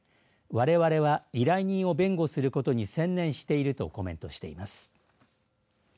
われわれは依頼人を弁護することに専念しているとコメントしています。